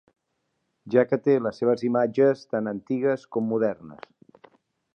Ja que té les seves imatges, tan antigues com modernes.